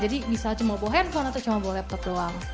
jadi bisa cuma bawa handphone atau cuma bawa laptop doang